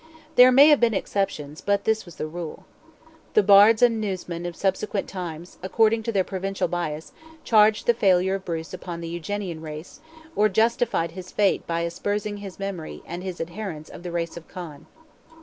There may have been exceptions, but this was the rule. The Bards and Newsmen of subsequent times, according to their Provincial bias, charged the failure of Bruce upon the Eugenian race, or justified his fate by aspersing his memory and his adherents of the race of Conn.